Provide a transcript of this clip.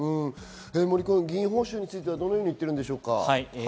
議員報酬についてはどう言っているんでしょうか？